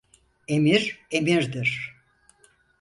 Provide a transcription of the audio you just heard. Emir emirdir.